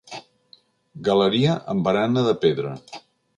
Galeria amb barana de pedra.